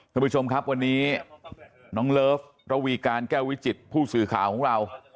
ท่านผู้ชมครับวันนี้น้องเลิฟระวีการแก้ววิจิตผู้สื่อข่าวของเรา